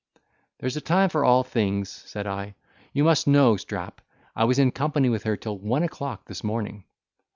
"There's a time for all things," said I, "you must know, Strap, I was in company with her till one o'clock this morning."